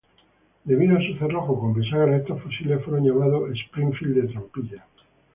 Debido a su cerrojo con bisagra, estos fusiles fueron llamados "Springfield de trampilla".